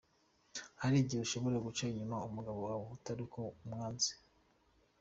Hari igihe ushobora guca inyuma umugabo wawe atari uko umwanze.